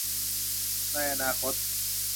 ในอนาคต